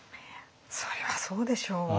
それはそうでしょう。